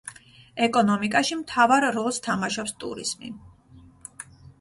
ეკონომიკაში მთავარ როლს თამაშობს ტურიზმი.